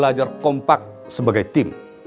belajar kompak sebagai tim